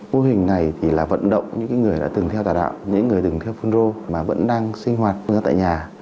mô hình này thì là vận động những người đã từng theo tà đạo những người từng theo phun rô mà vẫn đang sinh hoạt tại nhà